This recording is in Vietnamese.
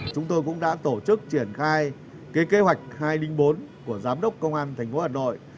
chúng tôi cũng đã tổ chức triển khai kế hoạch hai trăm linh bốn của giám đốc công an thành phố hà nội